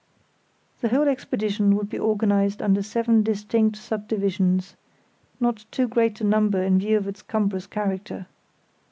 The whole expedition would be organised under seven distinct sub divisions—not too great a number in view of its cumbrous character.